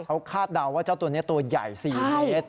เขาคาดเดาว่าเจ้าตัวนี้ตัวใหญ่๔เมตร